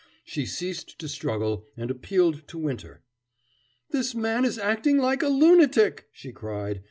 She ceased to struggle, and appealed to Winter. "This man is acting like a lunatic," she cried.